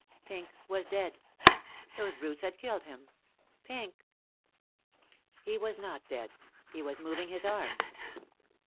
Pink was dead. Those brutes had killed him. Pink. He was not dead. He was moving his arms.